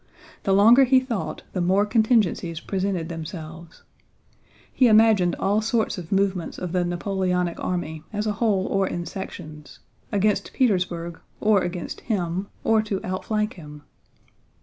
The longer he thought the more contingencies presented themselves. He imagined all sorts of movements of the Napoleonic army as a whole or in sections—against Petersburg, or against him, or to outflank him.